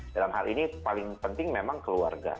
dalam hal ini paling penting memang keluarga